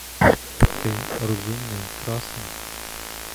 Ти — розумний, красунь.